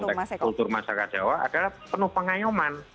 konteks kultur masyarakat jawa adalah penuh pengayuman